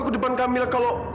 terima kasih mila